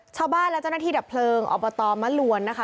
ชาวบ้านและเจ้าหน้าที่ดับเพลิงอบตมะลวนนะคะ